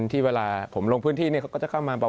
ที่เวลาผมลงพื้นที่เขาก็จะเข้ามาบอก